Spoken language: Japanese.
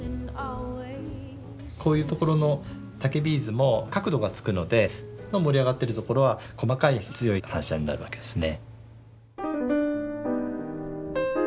こういうところの竹ビーズも角度がつくので盛り上がってるところは細かい強い反射になるわけですね。